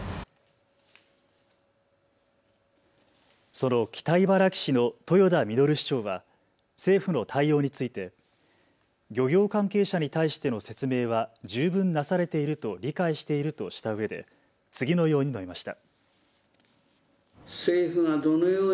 その北茨城市の豊田稔市長は政府の対応について漁業関係者に対しての説明は十分なされていると理解していると理解しているとしたうえで次のように述べました。